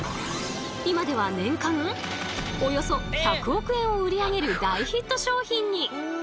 今では年間およそ１００億円を売り上げる大ヒット商品に！